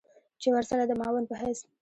چې ورسره د معاون په حېث